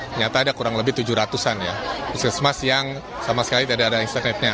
ternyata ada kurang lebih tujuh ratus an ya puskesmas yang sama sekali tidak ada internetnya